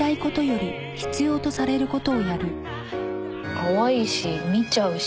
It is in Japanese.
かわいいし見ちゃうし。